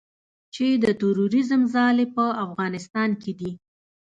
چې د تروریزم ځالې په افغانستان کې دي